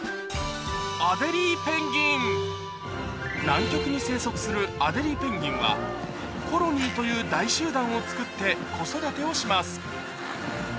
南極に生息するアデリーペンギンはコロニーという大集団をつくって子育てをします